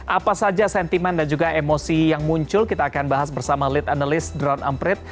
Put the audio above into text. apa saja sentimen dan juga emosi yang muncul kita akan bahas bersama lead analis drone emprit